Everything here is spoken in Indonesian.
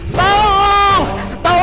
tuh tuh tuh